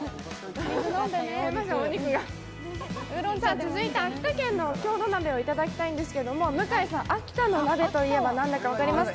続いて秋田県の郷土鍋をいただきたいんですけど向井さん、秋田の鍋といえば何だか分かりますか？